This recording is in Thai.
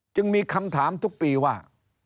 จึงมีคำถามทุกปีว่า